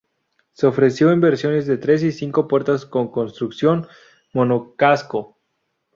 Se ofreció en versiones de tres y cinco puertas con construcción monocasco.